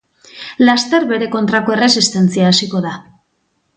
Laster bere kontrako erresistentzia hasiko da.